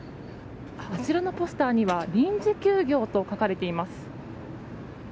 あちらのポスターには臨時休業と書かれています。